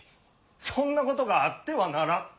そんなことがあってはならん！